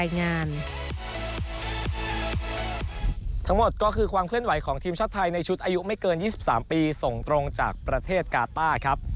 ในชุดอายุไม่เกิน๒๓ปีส่งตรงจากประเทศกาต้า